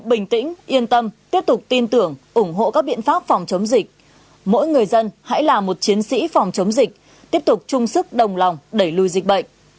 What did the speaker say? bình tĩnh yên tâm tiếp tục tin tưởng ủng hộ các biện pháp phòng chống dịch mỗi người dân hãy là một chiến sĩ phòng chống dịch tiếp tục chung sức đồng lòng đẩy lùi dịch bệnh